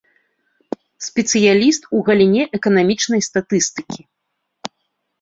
Спецыяліст у галіне эканамічнай статыстыкі.